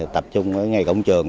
tập trung ở ngay cổng trường